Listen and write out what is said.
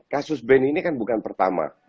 kasus ben ini kan bukan pertama